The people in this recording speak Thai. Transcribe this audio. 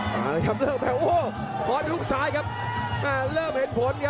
แล้วครับเริ่มแพลวโอ้โหขอดุกสายครับเริ่มเห็นผลครับ